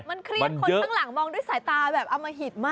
ข้างหลังมองด้วยสายตาแบบเอามาหิดมาก